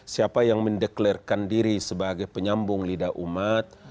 siapa yang mendeklarkan diri sebagai penyambung lidah umat